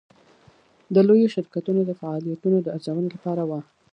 د لویو شرکتونو د فعالیتونو د ارزونې لپاره وه.